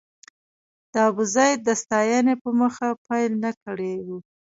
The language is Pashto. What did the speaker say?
د ابوزید د ستاینې په موخه پيل نه کړی و.